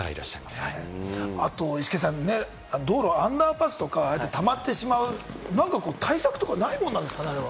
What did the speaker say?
あとイシケンさん、道路、アンダーパスとか、ああやってたまってしまう、対策とかないもんなんですかね？